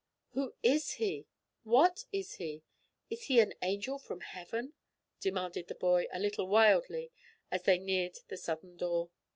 "Who is he? What is he? Is he an angel from Heaven?" demanded the boy, a little wildly, as they neared the southern door.